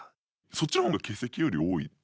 そっちの方が欠席より多いですね。